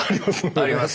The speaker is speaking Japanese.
あります。